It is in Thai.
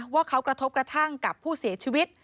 ว่าเขากระทบกระทั่งกับผู้เสียชีวิต